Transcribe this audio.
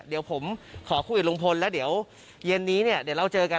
เดี๋ยวผมขอคุยกับลุงพลแล้วเดี๋ยวเย็นนี้เนี่ยเดี๋ยวเราเจอกัน